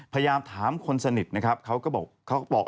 พยายามถามคนสนิทนะครับ